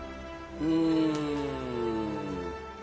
うん。